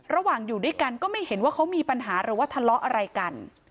อยู่ด้วยกันก็ไม่เห็นว่าเขามีปัญหาหรือว่าทะเลาะอะไรกัน